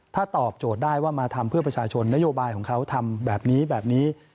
ถ้าตอบโจทย์ได้ว่ามาทำเพื่อประชาชนนโยบายของเขาทำแบบนี้แบบนี้